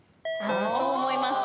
そう思います。